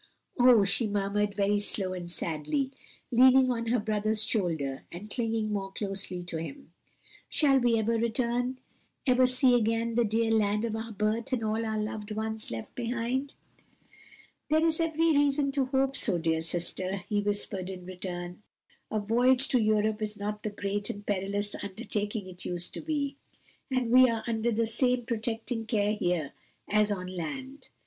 "Oh," she murmured very low and sadly, leaning on her brother's shoulder and clinging more closely to him, "shall we ever return? ever see again the dear land of our birth and all our loved ones left behind?" "There is every reason to hope so, dear sister," he whispered in return. "A voyage to Europe is not the great and perilous undertaking it used to be; and we are under the same protecting care here as on land.